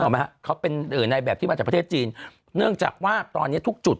ไหมฮะเขาเป็นในแบบที่มาจากประเทศจีนเนื่องจากว่าตอนนี้ทุกจุด